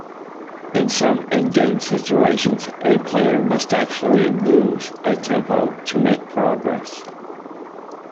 In some endgame situations, a player must actually "lose" a tempo to make progress.